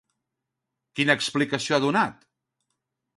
Quina explicació ha donat?